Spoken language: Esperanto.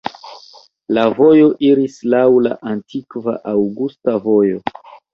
La vojo iris laŭ la antikva Aŭgusta Vojo.